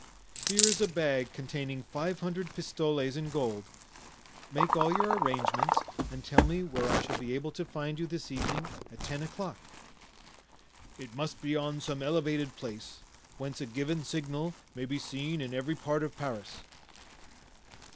"Here is a bag containing five hundred pistoles in gold; make all your arrangements, and tell me where I shall be able to find you this evening at ten o'clock." "It must be on some elevated place, whence a given signal may be seen in every part of Paris."